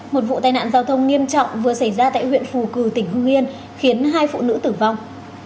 một vụ tai nạn giao thông nghiêm trọng vừa xảy ra tại huyện phù cử tỉnh hưng yên khiến hai phụ nữ tử vong